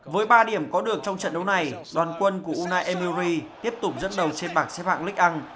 với ba điểm có được trong trận đấu này đoàn quân của unai emery tiếp tục dẫn đầu trên bảng xếp hạng lickang